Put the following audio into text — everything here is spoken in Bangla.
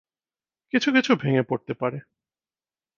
কিছু কিছু ভেঙে পড়তে পারে।